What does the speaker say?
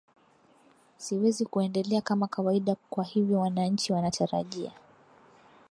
siwezi kuendelea kama kawaida kwa hivyo wananchi wanatarajia